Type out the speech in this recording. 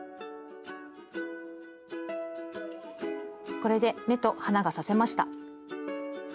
これで目と鼻が刺せました。